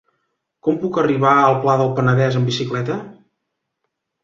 Com puc arribar al Pla del Penedès amb bicicleta?